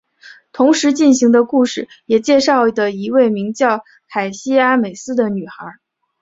同时进行的故事也介绍的一位名叫凯西阿美斯的女孩。